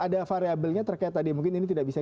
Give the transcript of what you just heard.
ada variabelnya terkait tadi mungkin ini tidak bisa